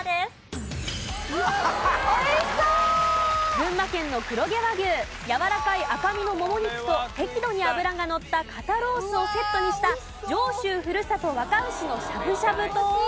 群馬県の黒毛和牛やわらかい赤身のもも肉と適度に脂がのった肩ロースをセットにした上州ふるさと若牛のしゃぶしゃぶと。